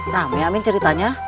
nah mi amin ceritanya